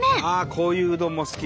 こういううどんも好き。